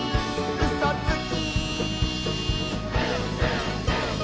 「うそつき！」